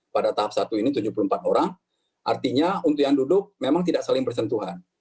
pada tahap satu ini tujuh puluh empat orang artinya untuk yang duduk memang tidak saling bersentuhan